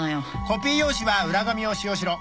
「コピー用紙は裏紙を使用しろ」